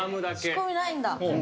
仕込みないんだ。